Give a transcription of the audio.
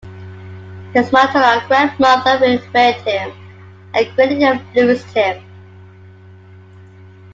His maternal grandmother reared him and greatly influenced him.